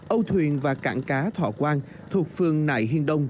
âu thuyền và cảng cá thọ khoan thuộc phường nải hiền đông